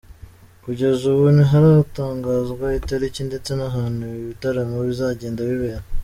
Kugeza ubu ntiharatangazwa itariki ndetse n’ahantu ibi bitaramo bizagenda bibera.